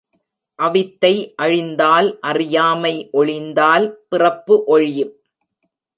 அவித்தை அழிந்தால், அறியாமை ஒழிந்தால், பிறப்பு ஒழியும்.